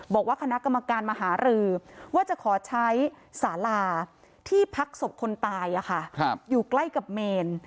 บอกว่าคณะกรรมการมหารือว่าจะขอใช้สาลาที่พักศพคนตายอยู่ใกล้กับเมน